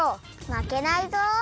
まけないぞ！